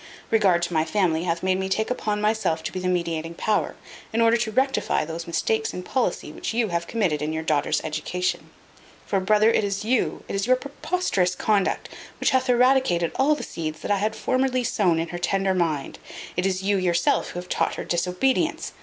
Regard to my family hath made me take upon myself to be the mediating power, in order to rectify those mistakes in policy which you have committed in your daughter's education. For, brother, it is you it is your preposterous conduct which hath eradicated all the seeds that I had formerly sown in her tender mind. It is you yourself who have taught her disobedience."